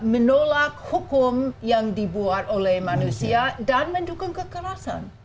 menolak hukum yang dibuat oleh manusia dan mendukung kekerasan